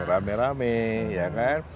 rame rame ya kan